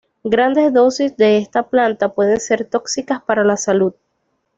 Grandes dosis de esta planta pueden ser tóxicas para la salud.